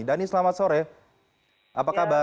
dhani selamat sore apa kabar